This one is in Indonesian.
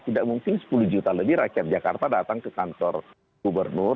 tidak mungkin sepuluh juta lebih rakyat jakarta datang ke kantor gubernur